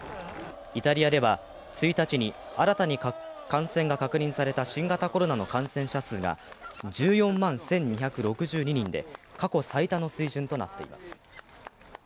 イタリアでは１日に新たに感染が確認された新型コロナの感染者数が１４万１２６２人で、過去最多の水準となっています。